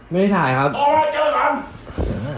ไม่ได้ถ่ายครับโอ้เจอกัน